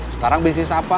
sekarang bisnis apa